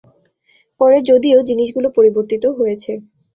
পরে যদিও জিনিসগুলি পরিবর্তিত হয়েছে।